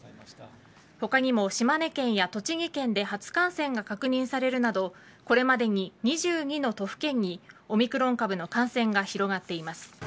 他にも島根県や栃木県で初感染が確認されるなどこれまでに２２の都府県にオミクロン株の感染が広がっています。